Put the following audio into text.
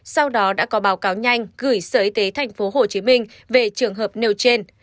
sau đó đã có báo cáo nhanh gửi sở y tế tp hcm về trường hợp nêu trên